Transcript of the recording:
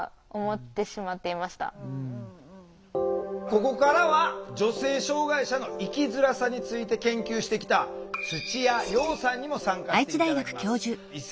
ここからは女性障害者の生きづらさについて研究してきた土屋葉さんにも参加して頂きます。